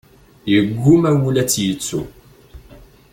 Yeggumma wul ad tt-yettu.